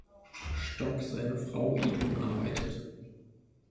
Stock seine Frau Idun arbeitet.